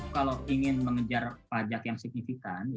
kalau ingin mengejar pajak yang signifikan